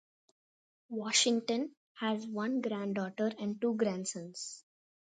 Washington has one daughter and two grandsons.